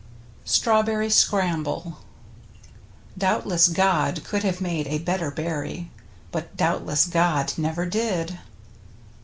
75 /g STRAWBERRY SCRAMBLE Doubtless God could have made a better berry, but doubtless Gad never did.